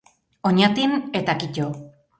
Oñatin, eta kito.